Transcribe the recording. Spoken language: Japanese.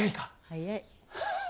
早い。